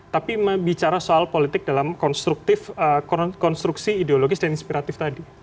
tapi bicara soal politik dalam konstruktif konstruksi ideologis dan inspiratif tadi